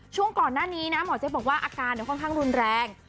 ช่วงก่อนหน้านี้นะหมอเจ๊บอกว่าอาการค่อนข้างรุนแรง